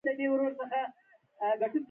ماشومان قلم نیول زده کوي.